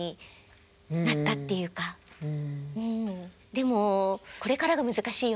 でも「これからが難しいよね」